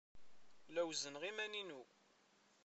La wezzneɣ iman-inu.